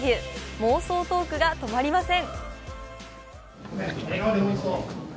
妄想トークが止まりません。